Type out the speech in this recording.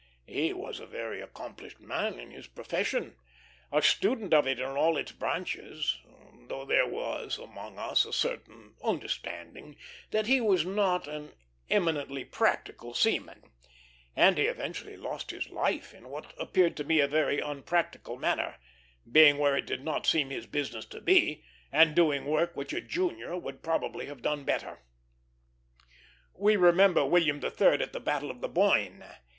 He was a very accomplished man in his profession, a student of it in all its branches, though there was among us a certain understanding that he was not an eminently practical seaman; and he eventually lost his life in what appeared to me a very unpractical manner, being where it did not seem his business to be, and doing work which a junior would probably have done better. We remember William III. at the battle of the Boyne.